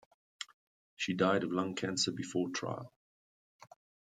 She died of lung cancer before trial.